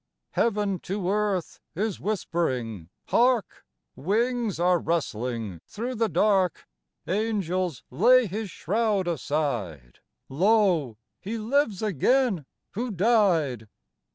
Heaven to earth is whispering ;— hark ! Wings are rustling through the dark : Angels lay His shroud aside : Lo ! He lives again, who died